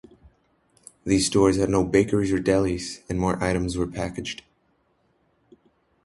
These stores had no bakeries or delis and more items were packaged.